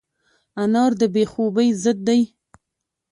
انار د بې خوبۍ ضد دی.